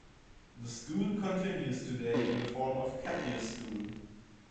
The school continues today in the form of Kepier School.